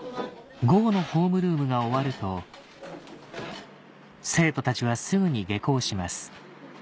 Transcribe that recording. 午後のホームルームが終わると生徒たちはすぐに下校します